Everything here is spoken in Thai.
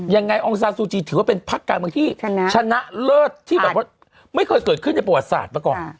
ยังไงองซาลซูจีถือว่าเป็นพักกำเงินที่ชนะเลิศที่ไม่เคยเกิดขึ้นในประวัติศาสตร์เมื่อก่อน